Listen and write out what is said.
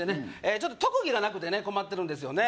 ちょっと特技がなくて困ってるんですよね